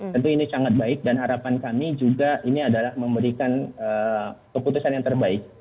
tentu ini sangat baik dan harapan kami juga ini adalah memberikan keputusan yang terbaik